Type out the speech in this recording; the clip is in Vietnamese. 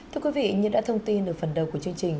thưa quý vị như đã thông tin ở phần đầu của chương trình